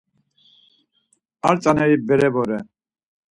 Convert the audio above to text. Ar tzaneri bere vore.